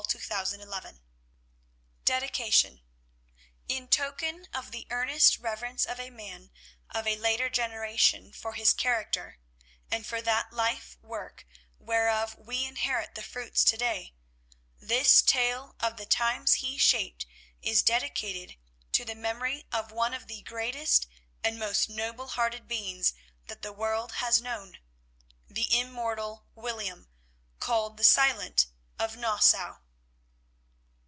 TWO SCENES DEDICATION _In token of the earnest reverence of a man of a later generation for his character, and for that life work whereof we inherit the fruits to day, this tale of the times he shaped is dedicated to the memory of one of the greatest and most noble hearted beings that the world has known; the immortal William, called the Silent, of Nassau.